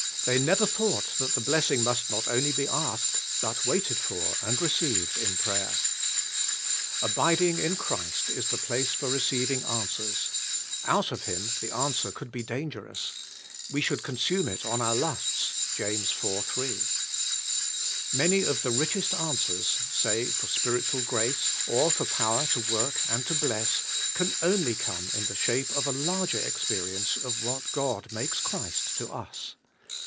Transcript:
They never thought that the blessing must not only be asked, but waited for, and received in prayer. Abiding in Christ is the place for receiving answers. Out of Him the answer could be dangerous, — we should consume it on our lusts {Jas, iv, S). Many of the richest answers — say for spiritual grace, or for power to work and to bless — can only come in the shape of a larger experience of what God makes Christ to us.